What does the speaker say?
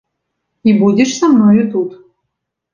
І будзеш са мною тут.